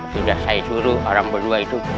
sudah saya suruh orang berdua itu